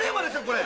これ。